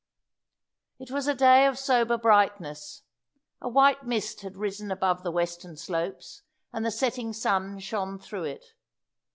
It was a day of sober brightness. A white mist had risen above the western slopes, and the setting sun shone through it.